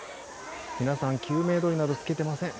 皆さん、救命胴衣などを着けていません。